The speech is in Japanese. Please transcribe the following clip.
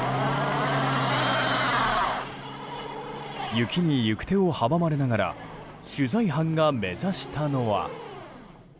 雪に行く手を阻まれながら取材班が目指したのは。